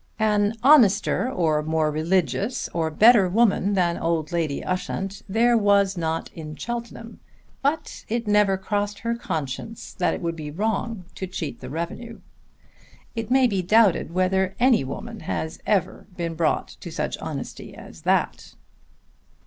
An honester or more religious or better woman than old Lady Ushant there was not in Cheltenham, but it never crossed her conscience that it would be wrong to cheat the revenue. It may be doubted whether any woman has ever been brought to such honesty as that.